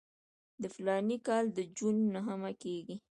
د فلاني کال د جون نهمه کېږي.